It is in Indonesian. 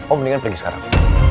oh mendingan pergi sekarang